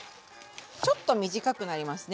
ちょっと短くなりますね